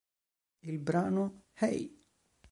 Il brano "Hey!